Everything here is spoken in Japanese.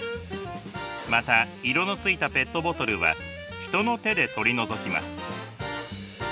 また色のついたペットボトルは人の手で取り除きます。